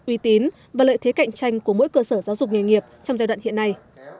uy tín và lợi thế cạnh tranh của mỗi cơ sở giáo dục nghề nghiệp trong giai đoạn hiện nay